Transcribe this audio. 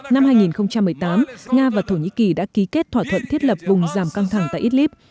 năm hai nghìn một mươi tám nga và thổ nhĩ kỳ đã ký kết thỏa thuận thiết lập vùng giảm căng thẳng tại idlib